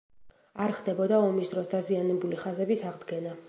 არ ხდებოდა ომის დროს დაზიანებული ხაზების აღდგენა.